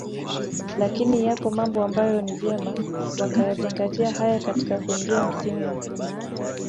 lakini yapo mambo ambayo ni vyema wakayazingatia haya katika kuingia msimu mpya